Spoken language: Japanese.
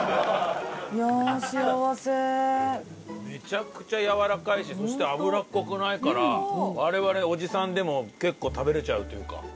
めちゃくちゃやわらかいしそして脂っこくないから我々おじさんでも結構食べれちゃうというか。